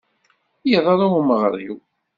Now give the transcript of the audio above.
Iḍṛa umeɣṛiw.